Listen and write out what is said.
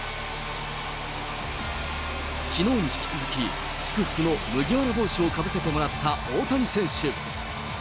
きのうに引き続き、祝福の麦わら帽子をかぶせてもらった大谷選手。